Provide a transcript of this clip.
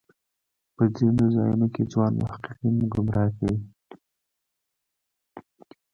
په ځینو ځایونو کې ځوان محققین ګمراه کوي.